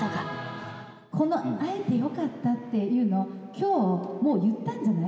この「会えて良かった」っていうの今日もう言ったんじゃない？